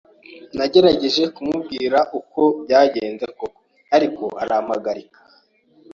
Nagerageje kumubwira uko byagenze koko, ariko arampagarika.